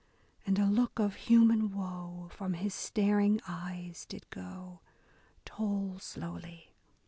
And a look of human woe from his staring eyes did go. Toll slowly.